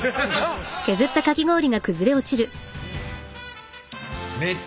あっ！